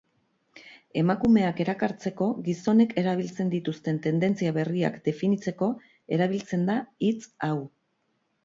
Emakumeak erakartzeko gizonek erabiltzen dituzten tendentzia berriak definitzeko erabiltzen da hitz hau.